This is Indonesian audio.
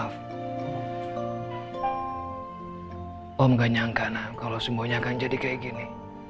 hai om nggak nyangka kalau semuanya akan jadi kayak gini